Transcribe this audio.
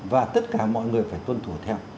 và tất cả mọi người phải tuân thủ theo